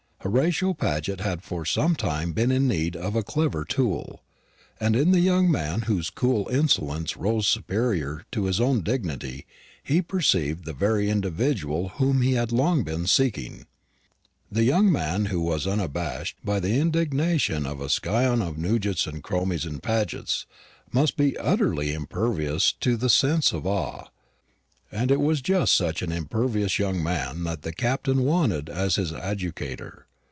Horatio Paget had for some time been in need of a clever tool; and in the young man whose cool insolence rose superior to his own dignity he perceived the very individual whom he had long been seeking. The young man who was unabashed by the indignation of a scion of Nugents and Cromies and Pagets must be utterly impervious to the sense of awe; and it was just such an impervious young man that the Captain wanted as his coadjutor.